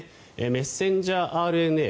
メッセンジャーＲＮＡ